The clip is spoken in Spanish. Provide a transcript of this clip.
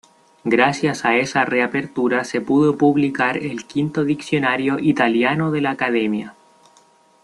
Gracias a esa reapertura se pudo publicar el quinto diccionario italiano de la Accademia.